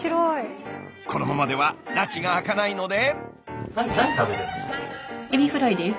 このままではらちが明かないので。